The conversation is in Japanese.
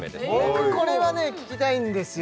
僕これはね聞きたいんですよ